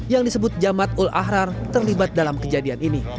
yang disebut jammatul ahrar terlibat dalam kejadian ini